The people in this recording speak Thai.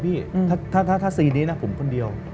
ถ้าบริสุทธิ์นี้นี่ผมคนเดียว